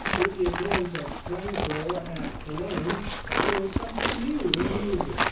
With the appearance of Franco at Cologne, there is something new in music.